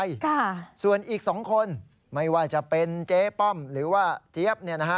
อีก๒คนไม่ว่าจะเป็นเจ๊ป้อมหรือว่าเจี๊ยบ